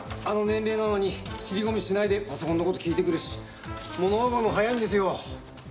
あの年齢なのに尻込みしないでパソコンの事聞いてくるし物覚えも早いんですよ。